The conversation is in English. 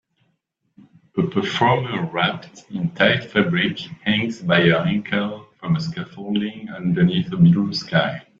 A performer wrapped in tight fabric hangs by her ankle from a scaffolding underneath a blue sky.